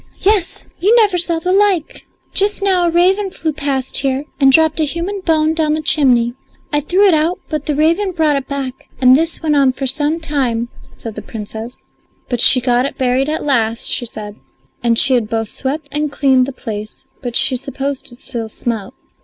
"Yes, you never saw the like! Just now a raven flew past here and dropped a human bone down the chimney. I threw it out, but the raven brought it back, and this went on for some time," said the Princess; but she got it buried at last, she said, and she had both swept and cleaned the place, but she supposed it still smelt.